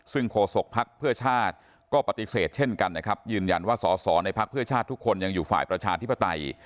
ซึ่งโฆษกภักดิ์เพื่อชาติก็ปฏิเสธเช่นกันนะครับยืนยันว่าสอสอในพักเพื่อชาติทุกคนยังอยู่ฝ่ายประชาธิปไตย